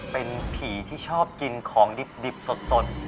เป็นผีที่ชอบกินของดิบสด